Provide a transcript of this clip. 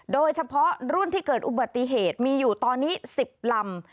โดยเฉพาะรุ่นที่เกิดอุบัติเหตุมีอยู่ตอนนี้๑๐ลำ